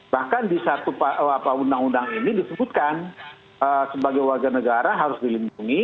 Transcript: bahkan di satu undang undang ini disebutkan sebagai warga negara harus dilindungi